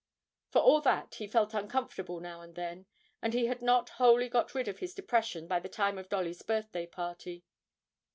For all that he felt uncomfortable now and then, and he had not wholly got rid of his depression by the time of Dolly's birthday party.